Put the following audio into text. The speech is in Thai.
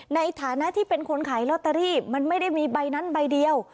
ในฐานะที่เป็นคนขายลอตเตอรี่มันไม่ได้มีใบนั้นใบเดียว